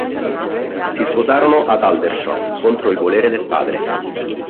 Si sposarono ad Aldershot, contro il volere del padre.